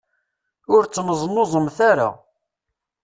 Ur ttneẓnuẓemt ara.